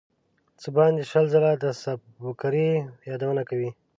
څه باندې شل ځله د سُبکري یادونه کوي.